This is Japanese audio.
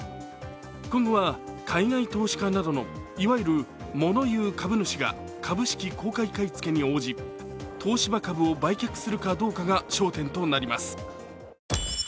今後は海外投資家などのいわゆる物言う株主か株式公開買い付けに応じ東芝株を売却するかどうかが焦点となります。